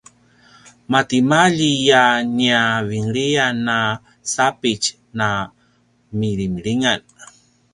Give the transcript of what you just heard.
maretimalji a nia vinlian a sapitj na milimilingan